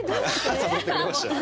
乗ってくれましたね。